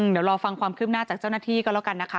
เดี๋ยวรอฟังความคืบหน้าจากเจ้าหน้าที่ก็แล้วกันนะคะ